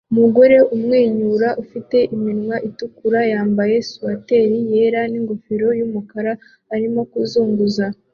Umugore umwenyura ufite iminwa itukura yambaye swater yera ningofero yumukara arimo kuzunguza